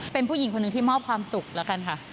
เป็นผู้หญิงคนหนึ่งที่มอบความสุขแล้วกันค่ะ